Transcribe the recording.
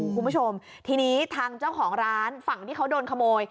คุณผู้ชมทีนี้ทางเจ้าของร้านฝั่งที่เขาโดนขโมย